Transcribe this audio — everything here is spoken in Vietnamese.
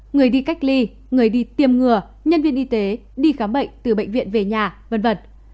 người đi cách ly người đi tiêm ngừa nhân viên y tế đi khám bệnh từ bệnh viện về nhà v v